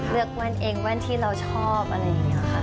เลือกวันเองวันที่เราชอบอะไรอย่างนี้ค่ะ